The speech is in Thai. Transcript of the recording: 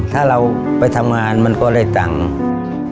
ถ้าเราไปทำงานมันก็ได้ตังค์